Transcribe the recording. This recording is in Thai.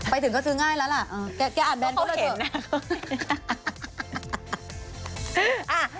ไปถึงก็ซื้อง่ายแล้วล่ะ